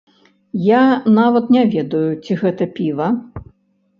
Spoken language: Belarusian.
Я нават не ведаю, ці гэта піва.